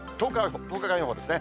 １０日間予報ですね。